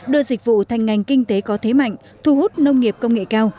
đưa dịch vụ thành ngành kinh tế có thế mạnh thu hút nông nghiệp công nghệ cao